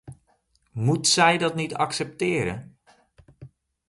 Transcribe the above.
Moet zij dat niet accepteren?